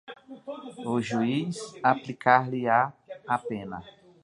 o juiz aplicar-lhe-á a pena